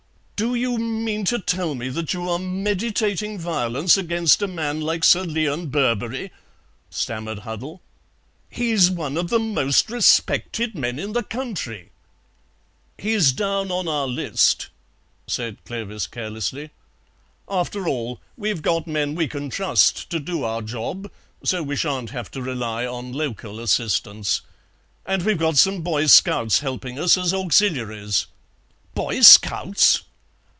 "Do you mean to tell me that you are meditating violence against a man like Sir Leon Birberry," stammered Huddle; "he's one of the most respected men in the country." "He's down on our list," said Clovis carelessly; "after all, we've got men we can trust to do our job, so we shan't have to rely on local assistance. And we've got some Boy scouts helping us as auxiliaries." "Boy scouts!"